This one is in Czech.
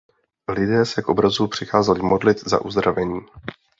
Lidé se k obrazu přicházeli modlit za uzdravení.